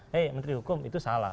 hei menteri hukum itu salah